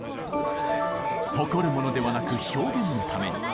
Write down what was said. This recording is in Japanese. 誇るものではなく表現のために。